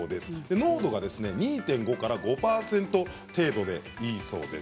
濃度は２．５から５％程度でいいそうです。